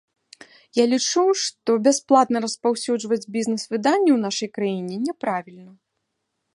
Я лічу, што бясплатна распаўсюджваць бізнэс-выданне ў нашай краіне няправільна.